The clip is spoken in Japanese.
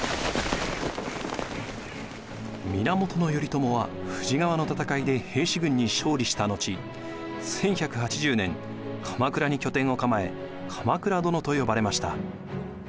源頼朝は富士川の戦いで平氏軍に勝利した後１１８０年鎌倉に拠点を構え鎌倉殿と呼ばれました。